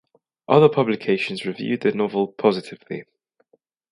Other publications reviewed the novel positively.